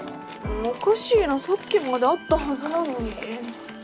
おかしいなさっきまであったはずなのに。